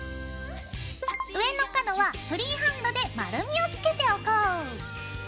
上の角はフリーハンドで丸みをつけておこう！